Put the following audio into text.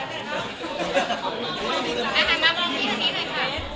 เราเป็นเครื่องสบายประโยชน์